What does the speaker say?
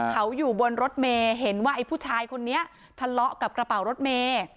เขาอยู่บนรถเมย์เห็นว่าไอ้ผู้ชายคนนี้ทะเลาะกับกระเป๋ารถเมย์